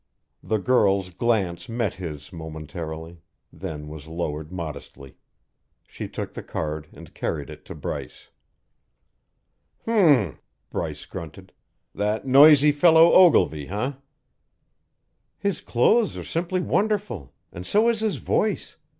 The girl's glance met his momentarily, then was lowered modestly; she took the card and carried it to Bryce. "Hum m m!" Bryce grunted. "That noisy fellow Ogilvy, eh?" "His clothes are simply wonderful and so is his voice.